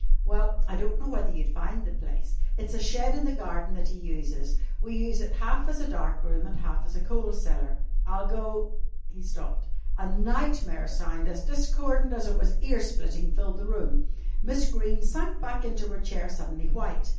"Well, I don't know whether you'd find the place. It's a shed in the garden that he uses. We use half as a dark room and half as a coal cellar." "I'll go " He stopped. A nightmare sound, as discordant as it was ear splitting, filled the room. Miss Greene sank back into her chair, suddenly white.